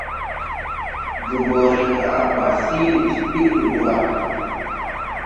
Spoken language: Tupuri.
Goboo riŋ ga a ʼwaa siili ti pir jòbō ga.